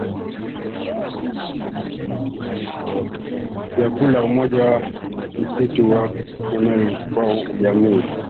vyakula ubora wa misitu na bayoanuai kwa ujumla